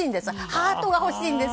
ハートが欲しいんです。